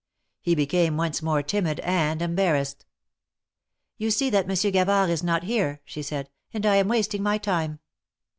He became once more timid and embarrassed. You see that Monsieur Gavard is not here," she said, and I am wasting my time."